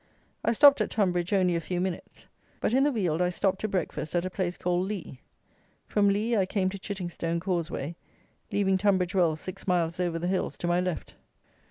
I stopped at Tonbridge only a few minutes; but in the Weald I stopped to breakfast at a place called Leigh. From Leigh I came to Chittingstone causeway, leaving Tonbridge Wells six miles over the hills to my left.